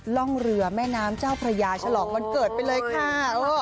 ร่องเรือแม่น้ำเจ้าพระยาฉลองวันเกิดไปเลยค่ะ